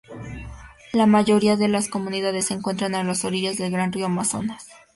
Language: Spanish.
La mayoría de las comunidades se encuentran a las orillas del gran río Amazonas.